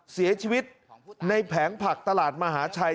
เสียชีวิตในแผงผักตลาดมหาชัย